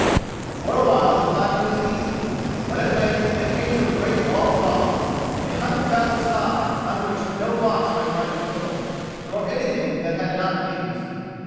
For a while the climbing was easy, but at length they came to a great wall of rock, a hundred fathoms high, on which no fox might find a foothold, nor anything that had not wings.